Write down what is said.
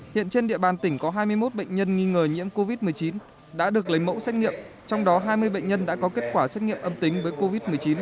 hiện trên địa bàn tỉnh có hai mươi một bệnh nhân nghi ngờ nhiễm covid một mươi chín đã được lấy mẫu xét nghiệm trong đó hai mươi bệnh nhân đã có kết quả xét nghiệm âm tính với covid một mươi chín